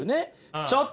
ちょっとね